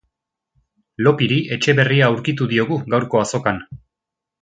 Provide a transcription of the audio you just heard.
Lopiri etxe berria aurkitu diogu gaurko azokan.